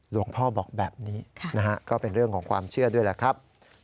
บอกแบบนี้นะฮะก็เป็นเรื่องของความเชื่อด้วยแหละครับ